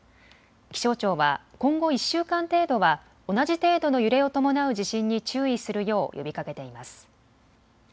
気象庁は今後１週間程度は同じ程度の揺れを伴う地震に注意するよう呼びかけています。